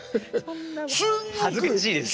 恥ずかしいですね。